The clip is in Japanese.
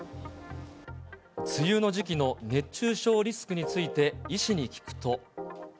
梅雨の時期の熱中症リスクについて、医師に聞くと。